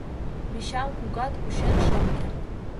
Вичам кугат — кучен шым керт.